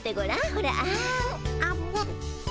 ほらあん。